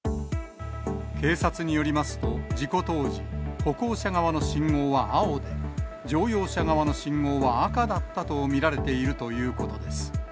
警察によりますと、事故当時、歩行者側の信号は青で、乗用車側の信号は赤だったと見られているということです。